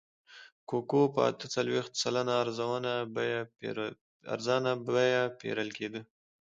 کوکو په اته څلوېښت سلنه ارزانه بیه پېرل کېده.